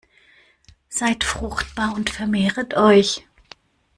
Seid fruchtbar und vermehrt euch!